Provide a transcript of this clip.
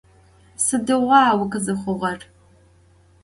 Sıdiğua vukhızıxhuğer?